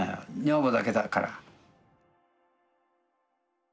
女房だけだから。